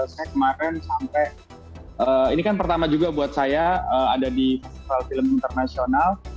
saya kemarin sampai ini kan pertama juga buat saya ada di festival film internasional